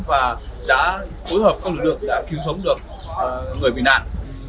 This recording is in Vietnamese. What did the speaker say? và đã phối hợp các lực lượng để cứu sống được người bị nạn